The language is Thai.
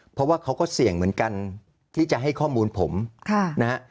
เพราะว่าเขาก็เสี่ยงเหมือนกันที่จะให้ข้อมูลผมนะฮะ